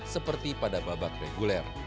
seperti pada babak reguler